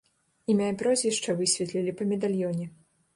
Імя і прозвішча высветлілі па медальёне.